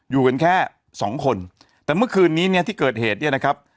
อยู่กันแค่สองคนแต่เมื่อคืนนี้เนี่ยที่เกิดเหตุเนี่ยนะครับ